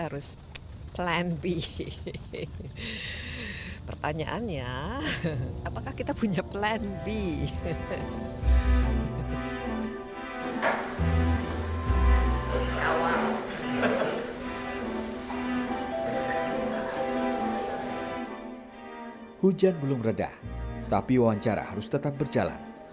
hujan belum redah tapi wawancara harus tetap berjalan